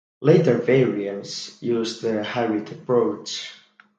Later variants used a hybrid approach.